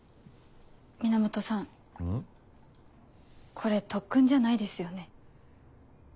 これ特訓じゃないですよね。